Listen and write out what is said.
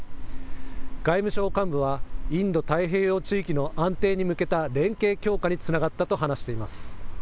外務省幹部は、インド太平洋地域の安定に向けた連携強化につながったと話しています。